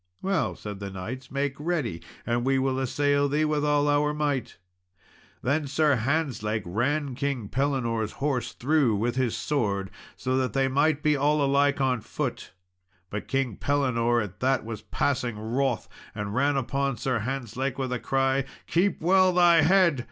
"Well," said the knights, "make ready, and we will assail thee with all our might." Then Sir Hantzlake ran King Pellinore's horse through with his sword, so that they might be all alike on foot. But King Pellinore at that was passing wroth, and ran upon Sir Hantzlake, with a cry, "Keep well thy head!"